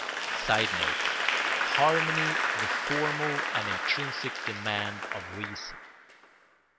[Sidenote: Harmony the formal and intrinsic demand of reason.